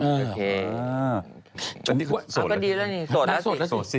ค่ะโอเคดีแล้วนี่